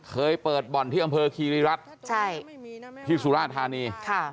เคยเปิดบ่อนที่อำเภอคีรีรัฐใช่ที่สุราธานี